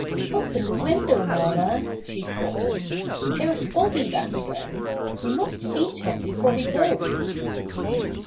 "Open the window, mamma," she called. "There's Bobby back again. You must feed him before he goes."